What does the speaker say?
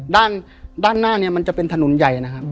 ด้านหน้าเนี่ยมันจะเป็นถนนใหญ่นะครับ